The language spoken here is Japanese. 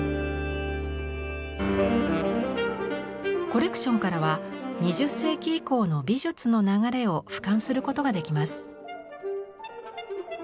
コレクションからは２０世紀以降の美術の流れを俯瞰することができます。